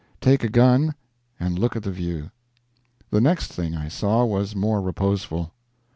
Take a gun, and look at the view. The next thing I saw was more reposeful.